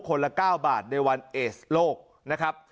คนละ๙บาทในวันเอสโลกนะครับ